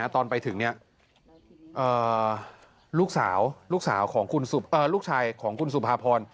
ตอนไปถึงนี่ลูกชายของคุณสุภาพร